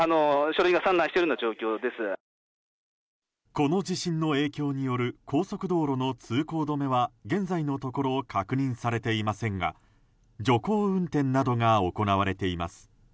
この地震の影響による高速道路の通行止めは現在のところ確認されていませんが徐行運転などが行われています。